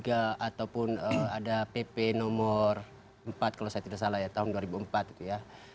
ataupun ada pp nomor empat kalau saya tidak salah ya tahun dua ribu empat gitu ya